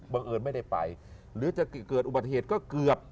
เอิญไม่ได้ไปหรือจะเกิดอุบัติเหตุก็เกือบ